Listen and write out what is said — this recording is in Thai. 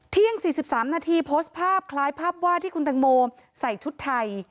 ๔๓นาทีโพสต์ภาพคล้ายภาพวาดที่คุณตังโมใส่ชุดไทย